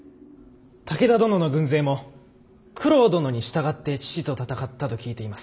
武田殿の軍勢も九郎殿に従って父と戦ったと聞いています。